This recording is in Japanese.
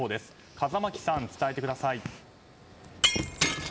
風巻さん、伝えてください。